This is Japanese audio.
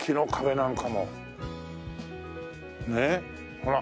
ほら。